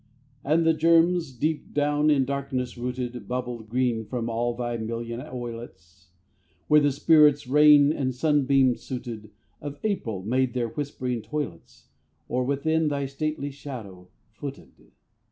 And the germs, deep down in darkness rooted, Bubbled green from all thy million oilets, Where the spirits, rain and sunbeam suited, Of the April made their whispering toilets, Or within thy stately shadow footed.